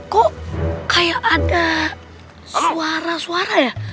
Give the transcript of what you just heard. kok kayak ada suara suara ya